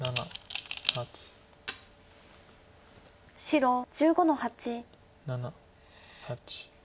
白１５の八。